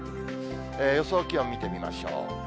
予想気温見てみましょう。